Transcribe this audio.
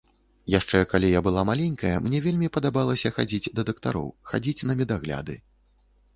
Яшчэ калі я была маленькая, мне вельмі падабалася хадзіць да дактароў, хадзіць на медагляды.